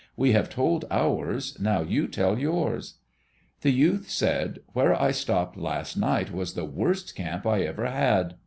We have told ours, now you tell yours." The youth said, "Where I stopped last night was the worst camp I ever had."